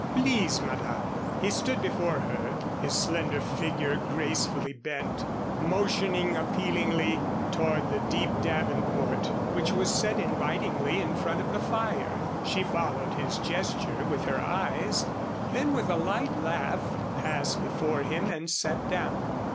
"Please, Madame." He stood before her, his slender figure gracefully bent, motioning appealingly toward the deep davenport, which was set invitingly in front of the fire. She followed his gesture with her eyes, then with a light laugh passed before him and sat down.